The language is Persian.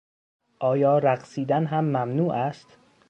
آیا رقصیدن هم ممنوع است؟